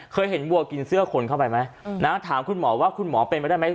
เคยเห็นวัวกินเสื้อคนเข้าไปไหมถามคุณหมอว่าคุณหมอเป็นไปได้ไหม